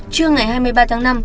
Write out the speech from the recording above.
trưa ngày hai mươi ba tháng năm